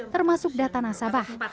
termasuk data nasabah